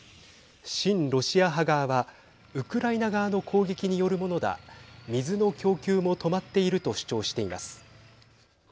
親ロシア派側はウクライナ側の攻撃によるものだ水の供給も止まっていると主張しています。